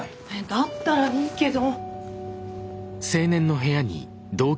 だったらいいけど。